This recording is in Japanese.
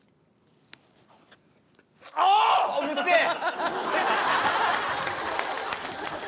うるせえ！